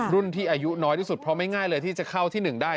รุ่นที่อายุน้อยที่สุดเพราะไม่ง่ายเลยที่จะเข้าที่๑ได้